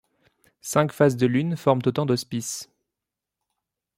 Cinq phases de lune forment autant d'auspices.